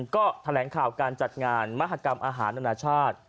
ก็แถลงข่าวการจัดงานมหากรรมอาหารนานาชาติ